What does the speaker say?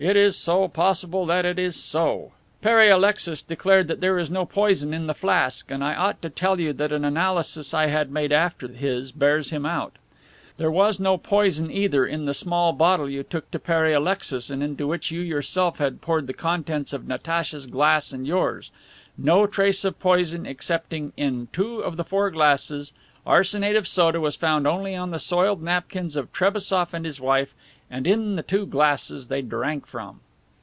"It is so possible that it is so. Pere Alexis declared that there is no poison in the flask, and I ought to tell you that an analysis I had made after his bears him out. There was no poison, either, in the small bottle you took to Pere Alexis and into which you yourself had poured the contents of Natacha's glass and yours; no trace of poison excepting in two of the four glasses, arsenate of soda was found only on the soiled napkins of Trebassof and his wife and in the two glasses they drank from."